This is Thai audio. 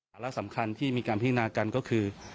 สาระสำคัญที่มีการพิจารณากันก็คือ